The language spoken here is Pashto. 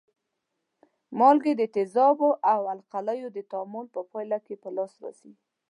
مالګې د تیزابو او القلیو د تعامل په پایله کې په لاس راځي.